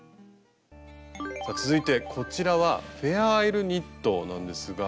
さあ続いてこちらはフェアアイルニットなんですが。